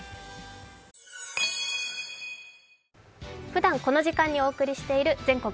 ふだんこの時間にお送りしている「全国！